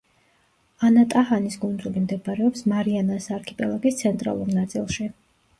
ანატაჰანის კუნძული მდებარეობს მარიანას არქიპელაგის ცენტრალურ ნაწილში.